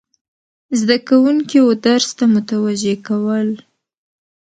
زده کوونکي و درس ته متوجه کول،